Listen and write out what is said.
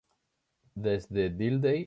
Desde Dilthey descubrí a Böhme.